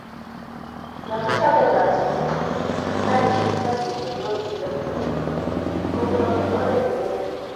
Ya kichope oratinwek ,garishek, busishek ,lorishek ak pikipikit ko pune oret ne maya